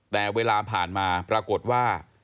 แต่เวลาผ่านมาปรากฏว่า